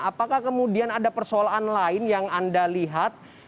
apakah kemudian ada persoalan lain yang anda lihat